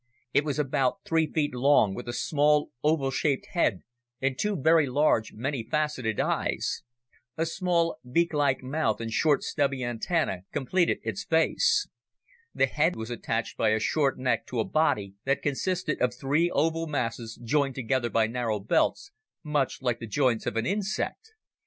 It was about three feet long with a small, oval shaped head and two very large, many faceted eyes. A small, beaklike mouth and short, stubby antennae completed its face. The head was attached by a short neck to a body that consisted of three oval masses joined together by narrow belts, much like the joints of an insect.